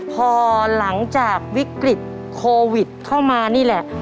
พอหลังจากวิกฤตโควิดเข้ามานี่แหละ